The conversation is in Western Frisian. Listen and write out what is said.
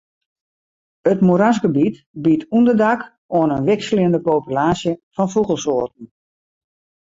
It moerasgebiet biedt ûnderdak oan in wikseljende populaasje fan fûgelsoarten.